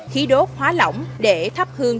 khí đốt hóa lỏng để thắp hương